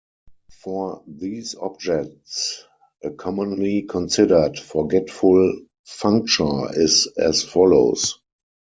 For these objects, a commonly considered forgetful functor is as follows.